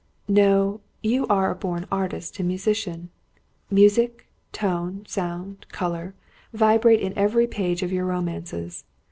"No; you are a born artist and musician. Music, tone, sound, colour, vibrate in every page of your romances.